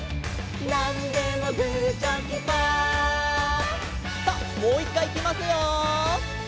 「なんでもグーチョキパー」さあもう１かいいきますよ！